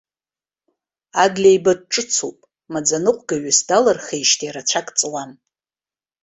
Адлеиба дҿыцуп, амаӡаныҟәгаҩыс далырхижьҭеи рацәак ҵуам.